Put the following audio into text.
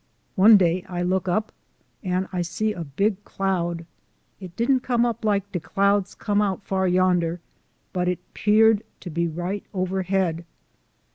One day I look up, an' I see a big cloud ; it didn't come up like as de clouds come out far yonder, but it 'peared to be right ober head.